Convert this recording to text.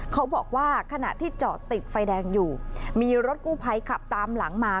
เขาบอกว่าขณะที่จอดติดไฟแดงอยู่มีรถกู้ภัยขับตามหลังมา